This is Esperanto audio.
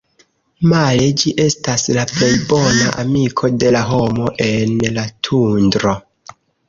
Male, ĝi estas la plej bona amiko de la homo en la Tundro.